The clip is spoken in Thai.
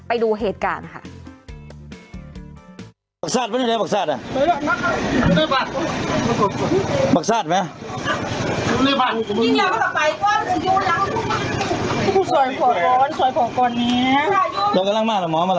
ไปดูเหตุการณ์ค่ะ